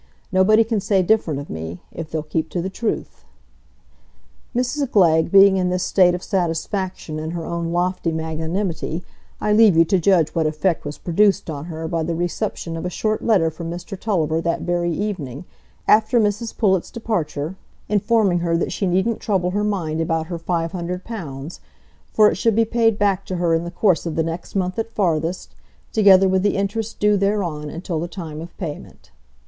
Nobody can say different of me, if they'll keep to the truth." Mrs Glegg being in this state of satisfaction in her own lofty magnanimity, I leave you to judge what effect was produced on her by the reception of a short letter from Mr Tulliver that very evening, after Mrs Pullet's departure, informing her that she needn't trouble her mind about her five hundred pounds, for it should be paid back to her in the course of the next month at farthest, together with the interest due thereon until the time of payment.